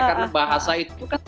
karena bahasa itu kan